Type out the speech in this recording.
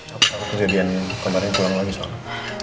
aku takut kejadian kemarin pulang lagi soalnya